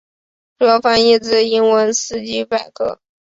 主要翻译自英文维基百科。